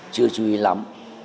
chưa chú ý lắm